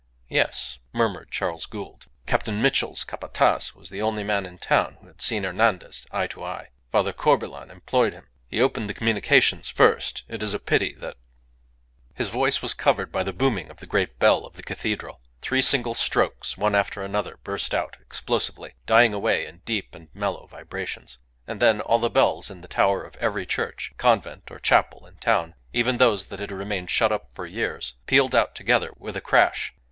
"Yes," murmured Charles Gould; "Captain Mitchell's Capataz was the only man in the town who had seen Hernandez eye to eye. Father Corbelan employed him. He opened the communications first. It is a pity that " His voice was covered by the booming of the great bell of the cathedral. Three single strokes, one after another, burst out explosively, dying away in deep and mellow vibrations. And then all the bells in the tower of every church, convent, or chapel in town, even those that had remained shut up for years, pealed out together with a crash.